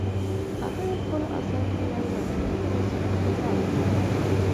هغه د خپلو اثارو له لارې راتلونکو نسلونو ته لار وښوده.